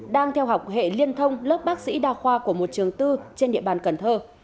đang theo học hệ liên thông lớp bác sĩ đa khoa của một trường tư trên địa bàn cần thơ